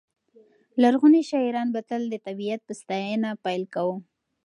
لرغوني شاعران به تل د طبیعت په ستاینه پیل کاوه.